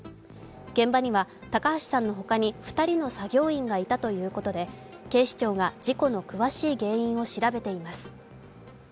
現場には高橋さんのほかに、２人の作業員がいたということで警視庁が事故の詳しい原因を調べています。